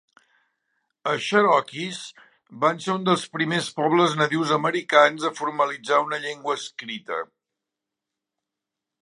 Els cherokees van ser un dels primers pobles nadius americans a formalitzar una llengua escrita.